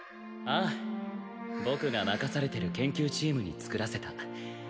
ああ僕が任されてる研究チームに作らせた